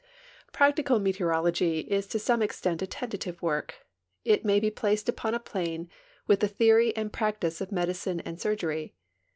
Practical meteorology is to some extent a tentative work. It may be placed upon a plane with the theory and practice of 66 STORMS AND WEATHER FORECASTS medicine and surgeiy.